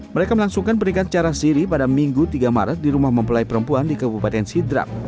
mereka melangsungkan pernikahan cara siri pada minggu tiga maret di rumah mempelai perempuan di kabupaten sidrap